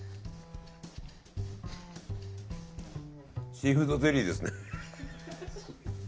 シーフードゼリーですね。